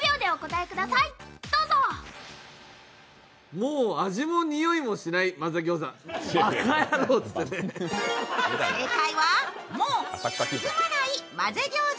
もう味もにおいもしない混ぜ餃子？